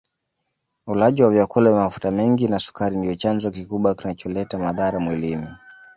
Ulaji wa vyakula vya mafuta mengi na sukari ndio chanzo kikubwa kinacholeta madhara mwilini